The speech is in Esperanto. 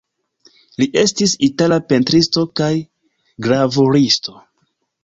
Li estis itala pentristo kaj gravuristo.